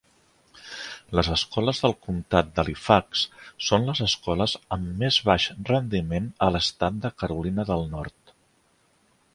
Les escoles del comtat d'Halifax són les escoles amb més baix rendiment a l'estat de Carolina del Nord.